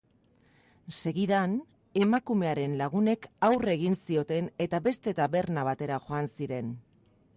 Segidan, emakumearen lagunek aurre egin zioten eta beste taberna batera joan ziren.